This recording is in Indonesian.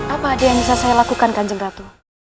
apa ada yang bisa saya lakukan kanjeng ratu